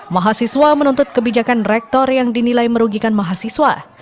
mahasiswa menuntut kebijakan rektor yang dinilai merugikan mahasiswa